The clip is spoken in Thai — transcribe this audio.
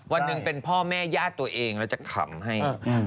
วันหนึ่งเป็นพ่อแม่ญาติตัวเองแล้วจะขำให้